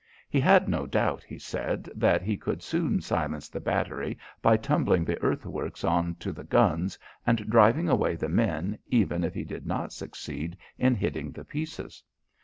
He had no doubt, he said, that he could soon silence the battery by tumbling the earth works on to the guns and driving away the men even if he did not succeed in hitting the pieces.